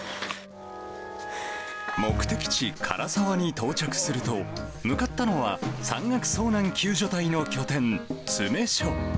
目的地、涸沢に到着すると、向かったのは山岳遭難救助隊の拠点、詰め所。